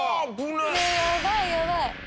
ねえやばいやばい！